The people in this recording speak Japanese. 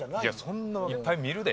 そんないっぱい見るで。